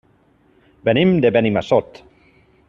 Venim de Benimassot.